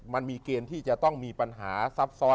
มันมีเกณฑ์ที่จะต้องมีปัญหาซับซ้อน